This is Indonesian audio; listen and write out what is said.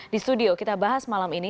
di studio kita bahas malam ini